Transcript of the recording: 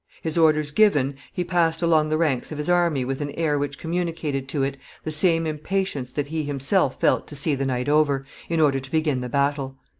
His orders given, he passed along the ranks of his army with an air which communicated to it the same impatience that he himself felt to see the night over, in order to begin the battle.